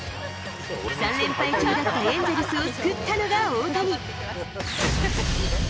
３連敗中だったエンゼルスを救ったのが大谷。